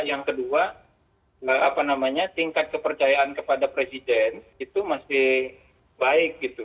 yang kedua tingkat kepercayaan kepada presiden itu masih baik gitu